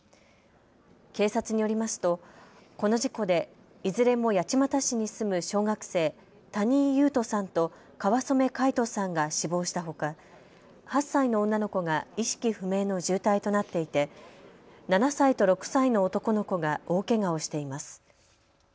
警察によりますとこの事故でいずれも八街市に住む小学生、谷井勇斗さんと川染凱仁さんが死亡したほか８歳の女の子が意識不明の重体となっていて７歳と６歳の男の子が大けがをしています。